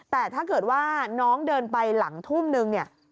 แต่ถ้าเกิดว่าน้องเดินไปหลังทุ่มนึงเนี่ย